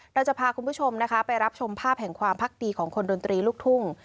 เราจะพาคุณผู้ชมนะคะไปรับชมภาพแห่งความพักดีของคนดนตรีลูกทุ่ง